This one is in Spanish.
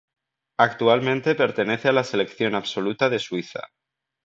Actualmente pertenece a la selección absoluta de Suiza.